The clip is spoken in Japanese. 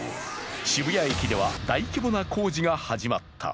渋谷駅では大規模な工事が始まった。